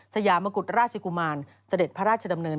สยามกุฎราชกุมารเสด็จพระราชดำเนิน